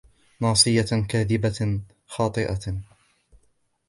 نَاصِيَةٍ كَاذِبَةٍ خَاطِئَةٍ